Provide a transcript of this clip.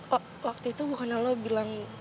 w waktu itu gua kenal mungkin lo bilang